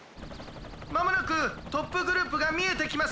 まもなくトップグループがみえてきます。